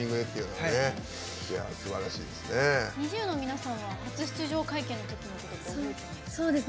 ＮｉｚｉＵの皆さんは初出場会見のことを覚えてますか？